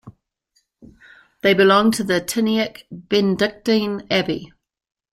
They belonged to the Tyniec Benedictine Abbey.